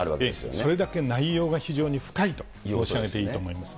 それだけ内容が非常に深いと申し上げていいと思います。